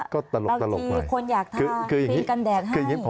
บางทีคนอยากทางเพียงกันแดกให้